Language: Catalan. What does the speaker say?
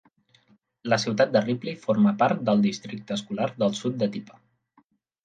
La ciutat de Ripley forma part del districte escolar del Sud de Tippah.